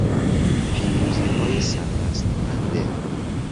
پیروزیهای سرمست کننده